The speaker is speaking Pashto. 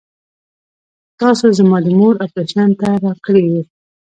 چې تاسو زما د مور اپرېشن ته راكړې وې.